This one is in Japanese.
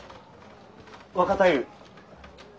若太夫。